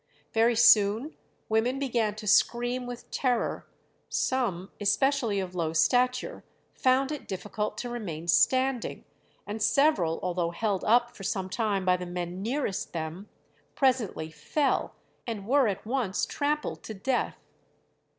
Very soon women began to scream with terror; some, especially of low stature, found it difficult to remain standing, and several, although held up for some time by the men nearest them, presently fell, and were at once trampled to death.